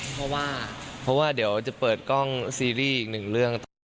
เพราะว่าเดี๋ยวจะเปิดกล้องซีรีส์อีกหนึ่งเรื่อง